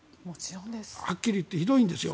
はっきりいってひどいんですよ。